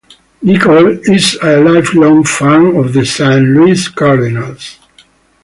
Nichols is a lifelong fan of the Saint Louis Cardinals.